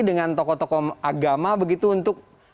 dengan tokoh tokoh agama begitu untuk